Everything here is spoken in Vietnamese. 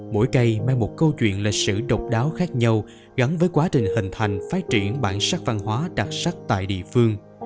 mỗi cây mang một câu chuyện lịch sử độc đáo khác nhau gắn với quá trình hình thành phát triển bản sắc văn hóa đặc sắc tại địa phương